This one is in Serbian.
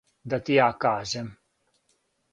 Да ти ја кажем.